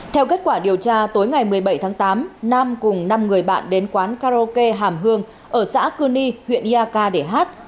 theo kết quả điều tra tối ngày một mươi bảy tháng tám nam cùng năm người bạn đến quán karaoke hàm hương ở xã cư ni huyện iak để hát